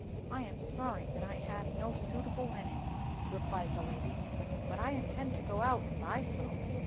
"I am sorry that I have no suitable linen," replied the lady, "but I intend to go out and buy some."